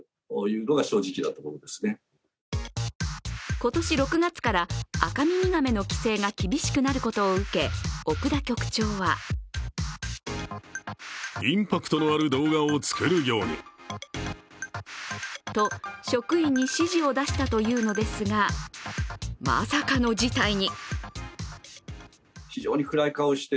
今年６月からアカミミガメの規制が厳しくなることを受け奥田局長はと、職員に指示を出したというのですが、まさかの事態に。